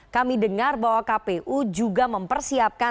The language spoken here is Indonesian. kami dengar bahwa kpu juga mempersiapkan